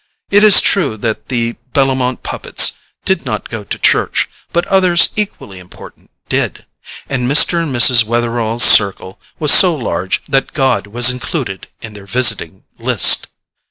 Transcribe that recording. It is true that the Bellomont puppets did not go to church; but others equally important did—and Mr. and Mrs. Wetherall's circle was so large that God was included in their visiting list.